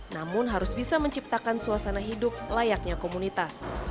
namun harus bisa menciptakan suasana hidup layaknya komunitas